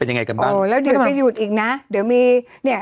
ยังไงกันบ้างโอ้แล้วเดี๋ยวจะหยุดอีกนะเดี๋ยวมีเนี่ย